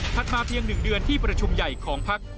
มาเพียง๑เดือนที่ประชุมใหญ่ของพัก